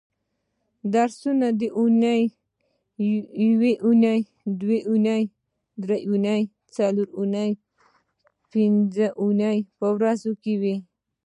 درسونه د اونۍ یونۍ دونۍ درېنۍ څلورنۍ پبنځنۍ په ورځو کې وي